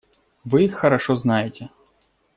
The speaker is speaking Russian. Вы их хорошо знаете.